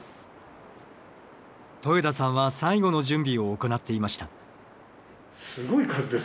戸枝さんは最後の準備を行っていました。